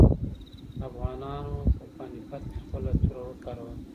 افغانانو په پاني پت کې خپله توره وکاروله.